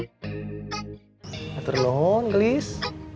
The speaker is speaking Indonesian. tidak terlalu anggelis